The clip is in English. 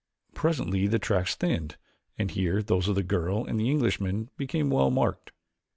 Presently the tracks thinned and here those of the girl and the Englishman became well marked.